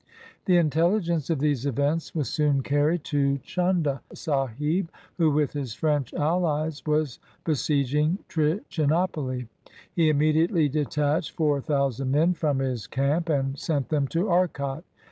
The intelligence of these events was soon carried to Chunda Sahib, who, with his French alUes, was besieg ing Trichinopoly. He immediately detached four thou sand men from his camp, and sent them to Arcot.